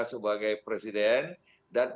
sebagai presiden dan